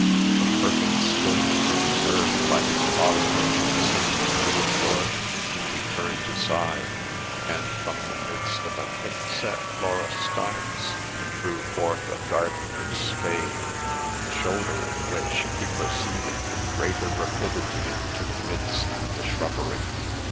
The perfect stillness preserved by his follower seemed to reassure him ; he turned aside ; and from the midst of a thickset laurus tinus, drew forth a gardener's spade, shouldering which he pro ceeded with greater rapidity into the midst of the shrubbery.